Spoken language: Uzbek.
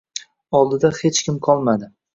Oldida hech kim qolmadi.